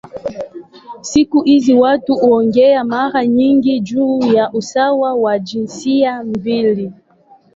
Siku hizi watu huongea mara nyingi juu ya usawa wa jinsia mbili.